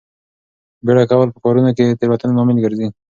بیړه کول په کارونو کې د تېروتنې لامل ګرځي.